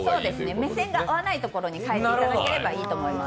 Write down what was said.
目線が合わない所に変えていただければいいと思います。